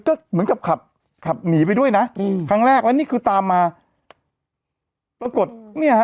ก็เหมือนกับขับขับหนีไปด้วยนะอืมครั้งแรกแล้วนี่คือตามมาปรากฏเนี่ยฮะ